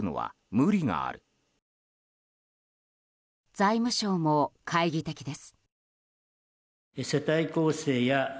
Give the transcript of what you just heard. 財務省も懐疑的です。